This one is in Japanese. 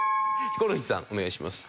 ヒコロヒーさんお願いします。